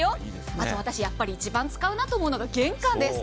あと私、やっぱり一番使うなと思うのが、玄関です。